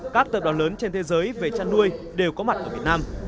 các tập đoàn lớn trên thế giới về chăn nuôi đều có mặt ở việt nam